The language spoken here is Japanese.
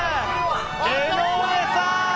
江上さん！